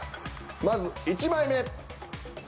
まず１枚目。